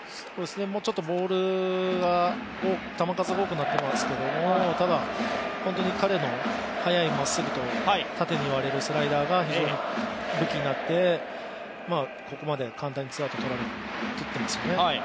もうちょっとボールが球数が多くなっていますけれども、ただ本当に彼の早いまっすぐと縦に割れるスライダーが非常に武器になって、ここまで簡単にツーアウトを取っていますよね。